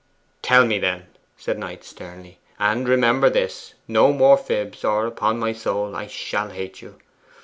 'Tell me, then,' said Knight sternly. 'And remember this, no more fibs, or, upon my soul, I shall hate you.